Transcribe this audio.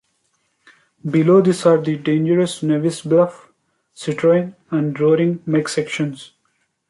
Below these are the dangerous Nevis Bluff, Citroen and Roaring Meg sections.